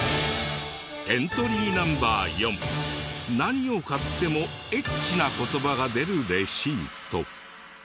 エントリーＮｏ．４何を買ってもエッチな言葉が出るレシート。